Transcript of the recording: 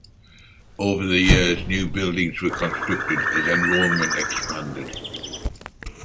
Over the years new buildings were constructed as enrollment expanded.